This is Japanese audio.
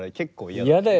嫌だよね。